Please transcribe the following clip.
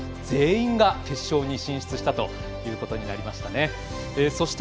全員が決勝に進出したということになりましたね。